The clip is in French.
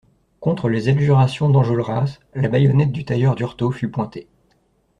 Contre les adjurations d'Enjolras la baïonnette du tailleur Durtot fut pointée.